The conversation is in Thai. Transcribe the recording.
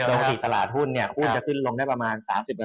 โตคิดตลาดหุ้นเนี่ยหุ้นจะขึ้นลงได้ประมาณ๓๐